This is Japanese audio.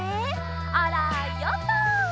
あらヨット！